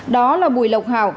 đó là bùi lộc hào